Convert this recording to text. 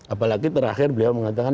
apalagi terakhir beliau mengatakan